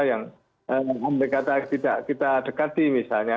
yang mereka kata kita dekati misalnya